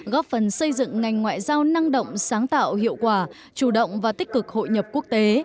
góp phần xây dựng ngành ngoại giao năng động sáng tạo hiệu quả chủ động và tích cực hội nhập quốc tế